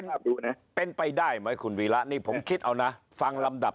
มาเป็นไปได้ไหมคุณวิราะห์นี้ผมคิดเอานะฟังลำดับ